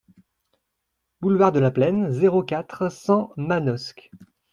Boulevard de la Plaine, zéro quatre, cent Manosque